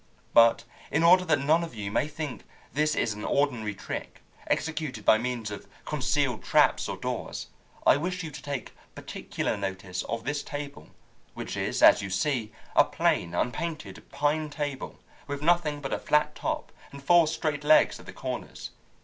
But in order that none of you may think this is an ordinary trick, executed by means of concealed traps or doors, I wish you to take particular notice of this table, which is, as you see, a plain, unpainted pine table, with nothing but a flat top, and four straight legs at the corners.